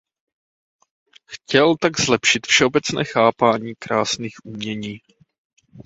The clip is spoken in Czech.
Chtěl tak zlepšit všeobecné chápání krásných umění.